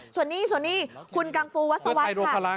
ส่วนนี้คุณกังฟูวัสวรรค์ค่ะ